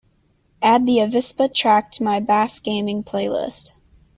Add the avispa track to my Bass Gaming playlist.